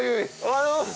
あの。